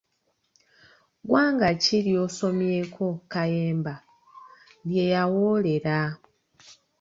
Ggwanga ki ly'osomyeko Kayemba lye yawoolera?